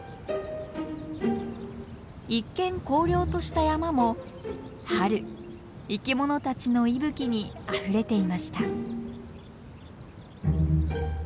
一見荒涼とした山も春生きものたちの息吹にあふれていました。